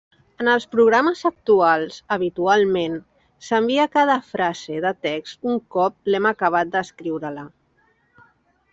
En els programes actuals, habitualment, s'envia cada frase de text un cop l'hem acabat d'escriure-la.